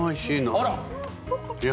あら！